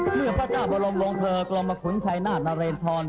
เมื่องพระเจ้าบรมลงเทอร์กลมมะคุณชัยนาธิ์นาเรนทรอน